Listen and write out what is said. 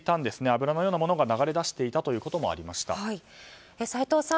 油のようなものが流れ出していたということもありました。